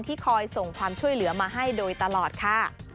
คอยส่งความช่วยเหลือมาให้โดยตลอดค่ะ